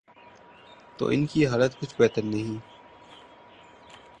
تو ان کی حالت کچھ بہتر نہیں۔